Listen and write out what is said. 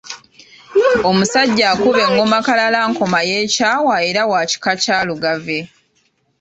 Omusajja akuba engoma Kalalankoma ye Kyawa era wa kika kya Lugave